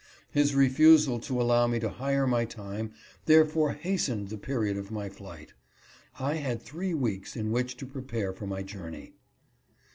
His re fusal to allow me to hire my time therefore hastened the period of my flight. I had three weeks in which to pre pare for my journey.